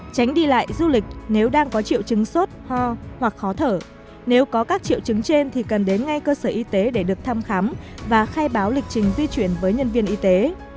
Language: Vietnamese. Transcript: tránh đi lại du lịch nếu đang có triệu chứng sốt ho hoặc khó thở nếu có các triệu chứng trên thì cần đến ngay cơ sở y tế để được thăm khám và khai báo lịch trình di chuyển với nhân viên y tế